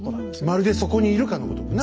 まるでそこにいるかのごとくな。